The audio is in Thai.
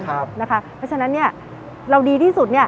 เพราะฉะนั้นเราดีที่สุด